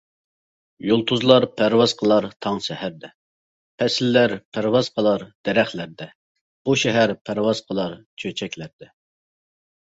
يۇلتۇزلار پەرۋاز قىلار تاڭ سەھەردە، پەسىللەر پەرۋاز قىلار دەرەخلەردە، بۇ شەھەر پەرۋاز قىلار چۆچەكلەردە.